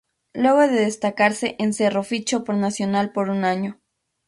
Luego de destacarse en Cerro fichó por Nacional por un año.